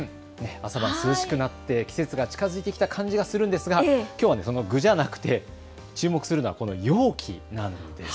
朝晩涼しくなって季節が近づいてきた感じがするんですがきょうはこの具じゃなくて注目するのはこの容器なんです。